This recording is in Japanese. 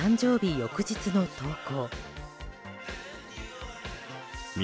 翌日の投稿。